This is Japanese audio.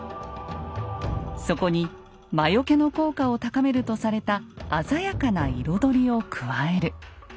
そこに魔よけの効果を高めるとされた鮮やかな彩りを加える。